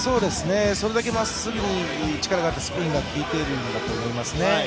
それだけまっすぐに力、スピンが効いているんだと思いますね。